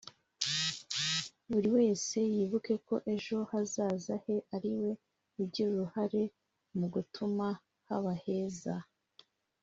buri wese yibuke ko ejo hazaza he ari we ugira uruhare mu gutuma haba heza